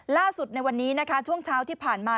ในวันนี้นะคะช่วงเช้าที่ผ่านมา